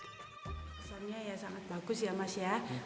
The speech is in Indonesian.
kesannya ya sangat bagus ya mas ya